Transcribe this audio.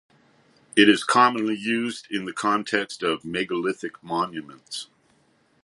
It is commonly used in the context of megalithic monuments.